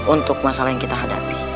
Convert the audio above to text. untuk masalah yang kita hadapi